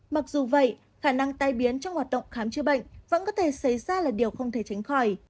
mặc dù vậy khả năng tai biến trong hoạt động khám chữa bệnh vẫn có thể xảy ra là điều không thể tránh khỏi